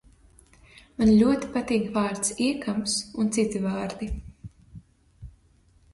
Man ļoti patīk vārds "iekams" un citi vārdi.